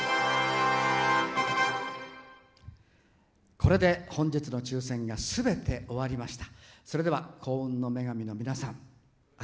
これで本日の抽せんがすべて終わりました。